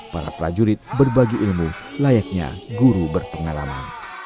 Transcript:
para prajurit berbagi ilmu layaknya guru berpengalaman